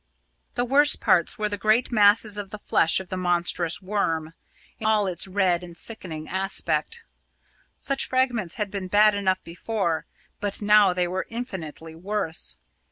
The worst parts were the great masses of the flesh of the monstrous Worm, in all its red and sickening aspect. Such fragments had been bad enough before, but now they were infinitely worse.